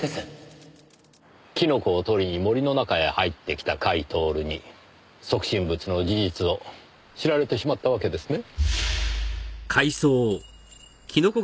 キノコを採りに森の中へ入ってきた甲斐享に即身仏の事実を知られてしまったわけですね？